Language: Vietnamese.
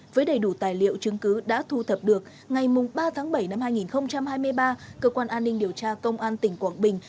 với đầy đủ tài liệu chứng cứ đã thu thập được ngày ba tháng bảy năm hai nghìn hai mươi ba cơ quan an ninh điều tra công an tỉnh quảng bình